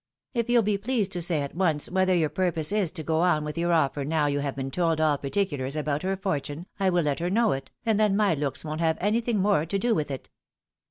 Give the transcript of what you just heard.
If you'll be pleased to say at once whether your purpose is to go on with your offer now you have been told all particulars about her fortune, I will let her know it, and then my looks won't have anything more to do with it."